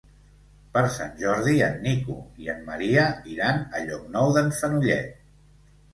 Per Sant Jordi en Nico i en Maria iran a Llocnou d'en Fenollet.